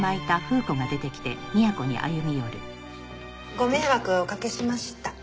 ご迷惑おかけしました。